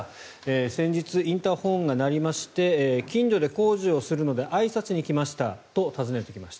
先日、インターホンが鳴りまして近所で工事をするのであいさつに来ましたと訪ねてきました。